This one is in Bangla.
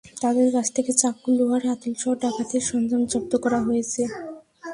তাঁদের কাছ থেকে চাকু, লোহার হাতলসহ ডাকাতির সরঞ্জাম জব্দ করা হয়েছে।